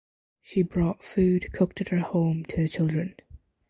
She brought food cooked at her home to the children.